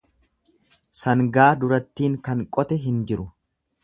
Sangaa durattiin kan qote hin jiru.